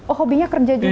oh hobinya kerja juga